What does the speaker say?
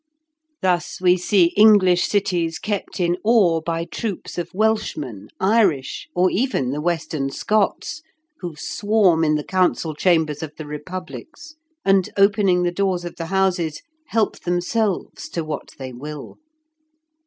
Thus we see English cities kept in awe by troops of Welshmen, Irish, and even the western Scots, who swarm in the council chambers of the republics, and, opening the doors of the houses, help themselves to what they will.